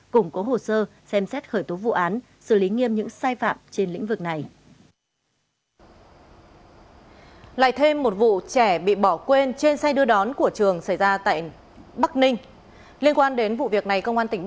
củng cố hồ sơ xem xét khởi tố vụ án xử lý nghiêm những sai phạm trên lĩnh vực này